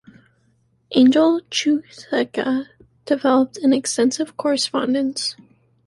Ángel Chueca developed an extensive correspondence.